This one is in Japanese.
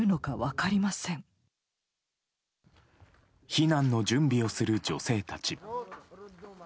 避難の準備をする女性たち。